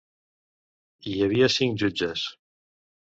Hi havia cinc jutges.